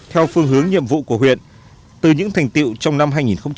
theo phương hướng nhiệm vụ của huyện từ những thành tiệu trong năm hai nghìn một mươi sáu